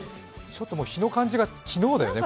ちょっと日の感じが昨日だよね。